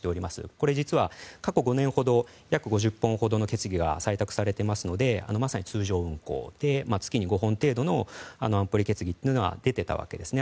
これ、実は過去５年ほどで約５０本ほどの決議が採択されていますのでまさに通常運行で月に５本程度の安保理決議が出ていたわけですね。